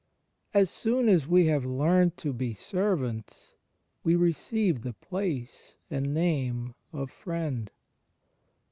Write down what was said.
As soon as we have learnt to be ser vants we receive the place and name of Friend.